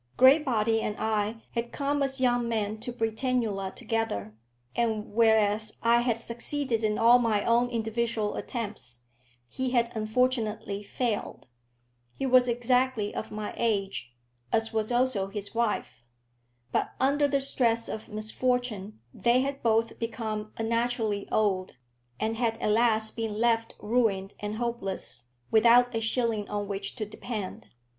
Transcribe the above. Graybody and I had come as young men to Britannula together, and whereas I had succeeded in all my own individual attempts, he had unfortunately failed. He was exactly of my age, as was also his wife. But under the stress of misfortune they had both become unnaturally old, and had at last been left ruined and hopeless, without a shilling on which to depend.